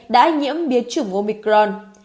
đã nhiễm biến chủng omicron